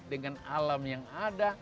dengan alam yang ada